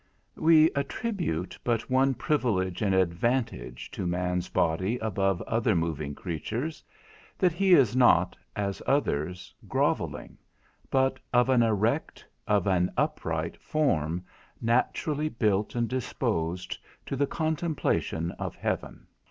We attribute but one privilege and advantage to man's body above other moving creatures, that he is not, as others, grovelling, but of an erect, of an upright, form naturally built and disposed to the contemplation of heaven.